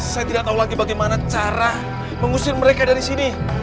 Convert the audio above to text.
saya tidak tahu lagi bagaimana cara mengusir mereka dari sini